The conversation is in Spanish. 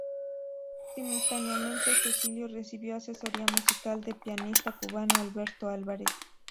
Simultáneamente, Cecilio recibió asesoría musical del pianista cubano Alberto Álvarez.